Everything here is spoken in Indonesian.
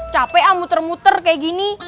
capek ah muter muter kayak gini